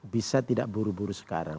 bisa tidak buru buru sekarang